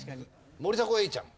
森迫永依ちゃん。